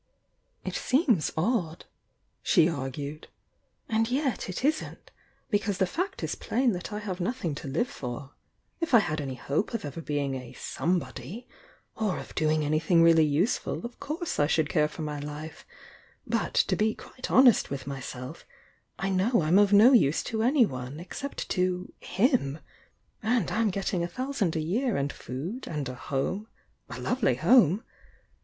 "It seems odd," she argued — "and yet, it isn't. Because the fact is plain that I have nothing to live for. If I had any hope of ever bein^ a 'some body' or of doing anything really useful of course I should care for my life, but, to be quite honest with myself, I know I'm of no use to anyone, except to — himf And I'm getting a thousand a year and food and a home — a lovely home!